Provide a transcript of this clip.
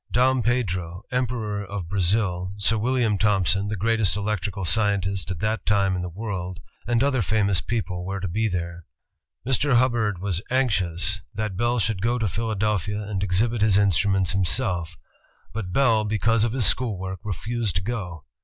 Dom Pedro, Emperor of Brazil, Sir William Thompson, the greatest electrical scientist at that time in the world, and other famous people were to be there. Mr. Hubbard was anxious that BEtX'S CENTENNIAL 244 INVENTIONS OF PRINTING AND COMMUNICATION Bell should go to Philadelphia and exhibit his instruments himself, but Bell, because of his school work, refused to go.